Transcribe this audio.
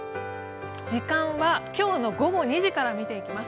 時間は今日の午後２時から見ていきます。